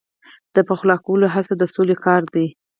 د پخلا کولو هڅه د سولې کار دی.